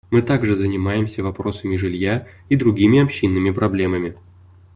Мы также занимаемся вопросами жилья и другими общинными проблемами.